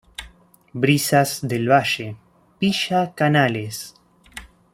Brisas del Valle, Villa Canales.